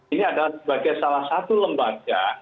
ini adalah sebagai salah satu lembaga